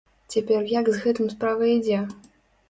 Цяпер як з гэтым справа ідзе?